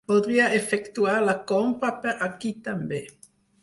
Voldria efectuar la compra per aquí també.